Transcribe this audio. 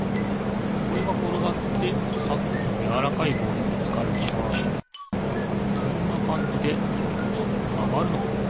これがころがってさっきのやわらかいぼうにぶつかるからこんなかんじでちょっとまがるのかな。